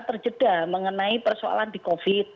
terjeda mengenai persoalan di covid